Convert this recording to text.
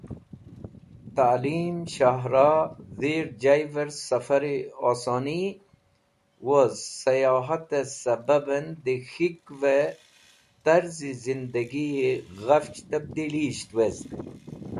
Ta’lim; Shahrah; Dhir jayver safari Osoni woz Sayohate sababen de k̃hikve Tarzi Zindagiyi ghafch tabdilisht vezg.